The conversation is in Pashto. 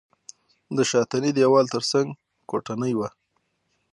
د شاتني دېوال تر څنګ کوټنۍ وه.